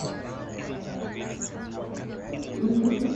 jina la Israeli likatumiwa na ufalme wa kaskazini